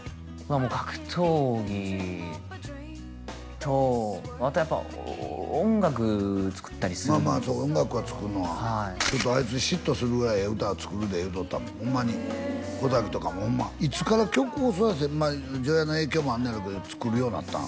もう格闘技とあとやっぱ音楽作ったりするまあまあ音楽は作んのははいちょっとアイツ嫉妬するぐらいええ歌作るで言うとったもんホンマに小瀧とかもホンマいつから曲をそないしてまあ丈弥の影響もあんのやろうけど作るようになったん？